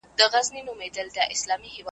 هر سړي ته خپله ورځ او قسمت ګوري .